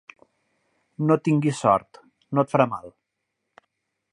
No tinguis sort, no et farà mal.